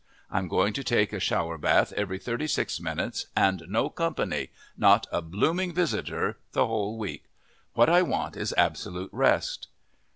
I'm going to take a shower bath every thirty six minutes and no company not a blooming visitor the whole week. What I want is absolute rest."